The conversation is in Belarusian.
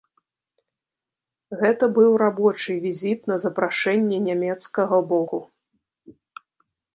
Гэта быў рабочы візіт на запрашэнне нямецкага боку.